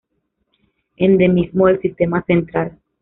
Endemismo del Sistema Central.